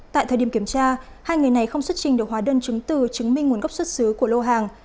tại thời điểm kiểm tra hai người này không xuất trình được hóa đơn chứng từ chứng minh nguồn gốc xuất xứ của lô hàng